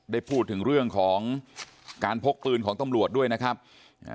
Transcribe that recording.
ได้พูดถึงเรื่องของการพกปืนของตำรวจด้วยนะครับอ่า